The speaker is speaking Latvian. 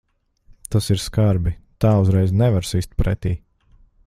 Tas ir skarbi. Tā uzreiz nevar sist pretī.